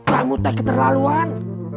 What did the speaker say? kamu tek keterlaluan